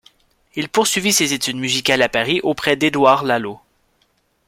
Il poursuivit ses études musicales à Paris auprès d'Édouard Lalo.